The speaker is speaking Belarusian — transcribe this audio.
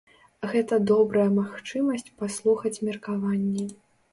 Гэта добрая магчымасць паслухаць меркаванні.